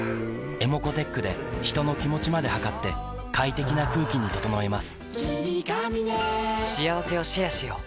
ｅｍｏｃｏーｔｅｃｈで人の気持ちまで測って快適な空気に整えます